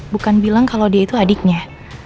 bukan bilang kalau dia itu adiknya